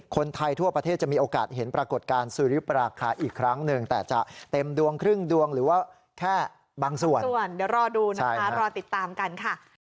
คนไทยทั่วประเทศจะมีโอกาสเห็นปรากฏการณ์สุริปราคาอีกครั้งหนึ่งแต่จะเต็มดวงครึ่งดวงหรือว่าแค่บางส่วนส่วนเดี๋ยวรอดูนะคะรอติดตามกันค่ะ